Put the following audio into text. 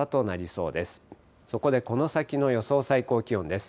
そこでこの先の予想最高気温です。